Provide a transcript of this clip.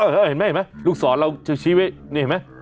เห็นไหมลูกศรเราชีวิตนี่เห็นไหม